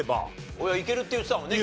大家いけるって言ってたもんね